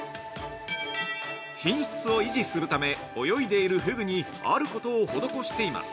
品質を維持するため泳いでいるふぐにあることを施しています。